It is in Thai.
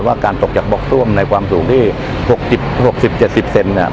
ว่าการตกจากบล็อกซ่วมในความสูงที่๖๐๖๐๗๐เซนเนี่ย